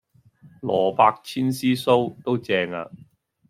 蘿蔔千絲酥都正呀